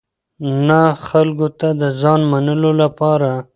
نه خلکو ته د ځان منلو لپاره.